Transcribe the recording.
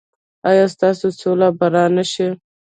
ایا ستاسو سوله به را نه شي؟